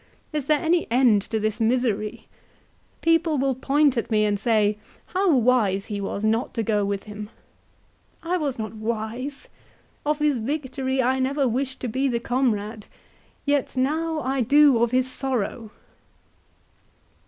Is there any end to this misery ? People will point at me and say, ' How wise he was not to go with him.' I was not wise. Of his victory I never wished to be the comrade, yet now I do of his sorrow."